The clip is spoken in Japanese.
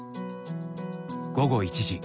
午後１時。